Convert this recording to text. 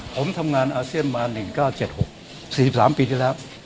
ผมทำงานอาเซียนมา๑๙๗๖๔๓ปีที่แล้ว